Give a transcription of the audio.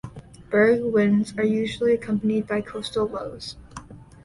Berg winds are usually accompanied by coastal lows.